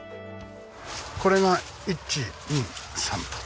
これが１２３と。